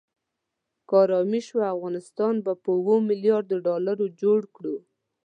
که آرامي شوه افغانستان به په اوو ملیاردو ډالرو جوړ کړو.